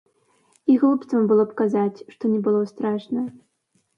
І глупствам было б казаць, што не было страшна.